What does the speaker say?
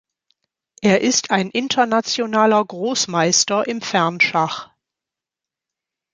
Er ist Internationaler Großmeister im Fernschach.